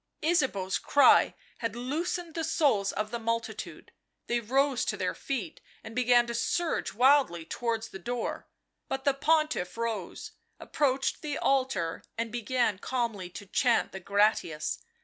Ysabeau's cry had loosened the souls of the multi tude, they rose to their feet and began to surge wildly towards the door. But the Pontiff rose, approached the altar and began calmly to chant the Gratias.